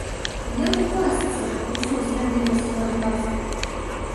Як у казцы, усё зрабілася адразу.